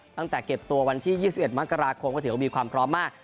ตั้งแต่เก็บตัววันที่๒๑มกราคมก็ถือว่ามีความพร้อมมาก